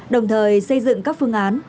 đồng thời xây dựng các phương án